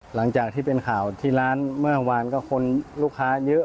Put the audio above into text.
หลังจากที่เป็นข่าวที่ร้านเมื่อวานก็คนลูกค้าเยอะ